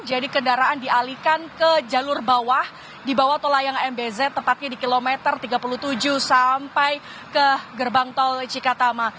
jadi kendaraan dialihkan ke jalur bawah di bawah tola yang mbz tepatnya di kilometer tiga puluh tujuh sampai ke gerbang tol cikatama